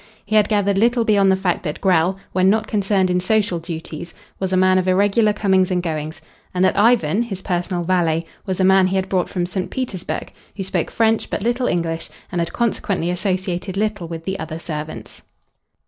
He had gathered little beyond the fact that Grell, when not concerned in social duties, was a man of irregular comings and goings, and that Ivan, his personal valet, was a man he had brought from St. Petersburg, who spoke French but little English, and had consequently associated little with the other servants.